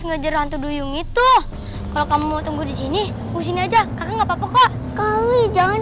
ngejar hantu duyung itu kalau kamu mau tunggu di sini sini aja kakak nggak papa kok kali jangan